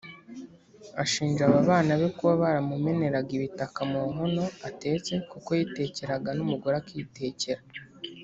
Ashinja aba bana be kuba baramumeneraga ibitaka mu nkono atetse kuko yitekeraga n’umugore akitekera